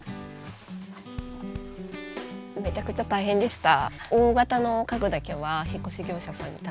めちゃくちゃ大変でした。